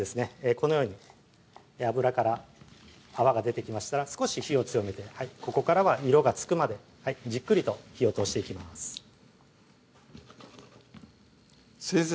このように油から泡が出てきましたら少し火を強めてここからは色がつくまでじっくりと火を通していきます先生